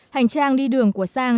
hành trang đi đường của sang